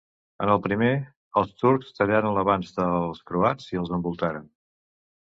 En el primer, els turcs tallaren l'avanç dels croats i els envoltaren.